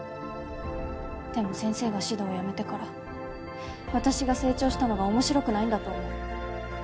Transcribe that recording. でも先生が指導をやめてから私が成長したのが面白くないんだと思う。